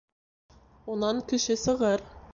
Унан кеше сығыр